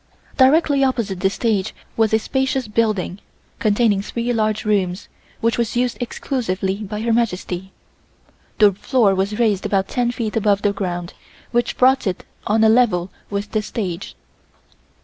Directly opposite this stage was a spacious building, containing three large rooms, which was used exclusively by Her Majesty. The floor was raised about ten feet above the ground, which brought it on a level with the stage.